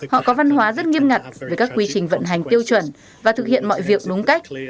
họ có văn hóa rất nghiêm ngặt về các quy trình vận hành tiêu chuẩn và thực hiện mọi việc đúng cách